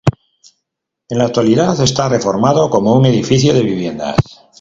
En la actualidad, está reformado como un edificio de viviendas.